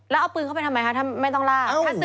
แล้วเอาปืนเข้าไปทำไมคะไม่ต้องล่า